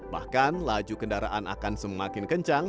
bahkan laju kendaraan akan semakin kencang